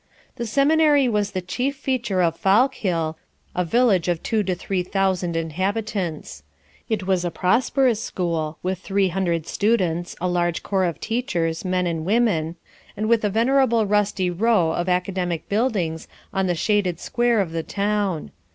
The Seminary was the chief feature of Fallkill, a village of two to three thousand inhabitants. It was a prosperous school, with three hundred students, a large corps of teachers, men and women, and with a venerable rusty row of academic buildings on the shaded square of the town.